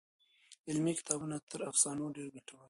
علمي کتابونه تر افسانو ډېر ګټور دي.